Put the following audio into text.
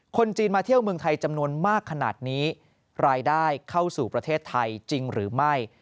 คนจีนมาเที่ยวเมืองไทยจำนวนมากขนาดนี้รายได้เข้าสู่ประเทศไทยจริงหรือไม่